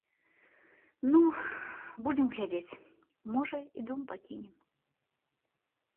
Ну, будзем глядзець, можа, і дом пакінем.